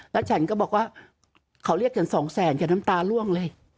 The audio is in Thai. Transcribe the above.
แล้วฉันก็บอกว่าเขาเรียกกันสองแสนอย่าน้ำตาล่วงเลย